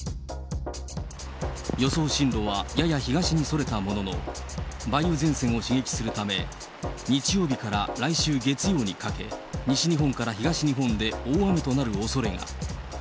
予想進路はやや東にそれたものの、梅雨前線を刺激するため、日曜日から来週月曜にかけ、西日本から東日本で大雨となるおそれが。